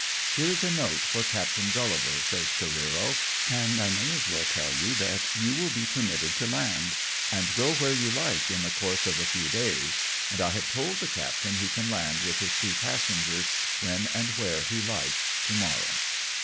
"Here is a note for Captain GuUivar," says CareerOj " and I may as well tell you that you will be permitted to land, and go where you like in the course of a few days, and T have told the captain he can land with his two passengers, when and where he likes to morrow."